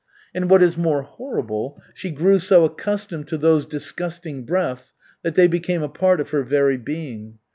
And what is more horrible, she grew so accustomed to those disgusting breaths that they became a part of her very being.